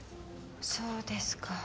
そうですか。